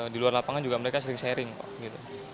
di luar lapangan juga mereka sering sharing kok gitu